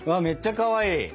めっちゃかわいい。